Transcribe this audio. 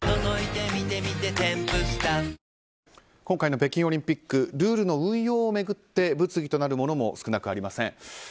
今回の北京オリンピックルールの運用を巡って物議となるものも少なくありません。